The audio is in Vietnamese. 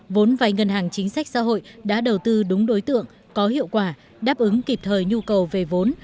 vốn vài ngân hàng chính sách xã hội đã đầu tư đúng đối tượng có hiệu quả đáp ứng kịp thời nhu cầu về vốn